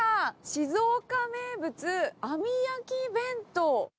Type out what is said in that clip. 静岡名物あみ焼き弁当。